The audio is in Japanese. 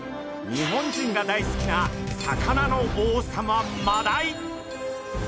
日本人が大好きな魚の王様マダイ。